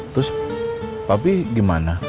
terus papi gimana